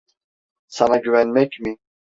Sana güvenmek mi?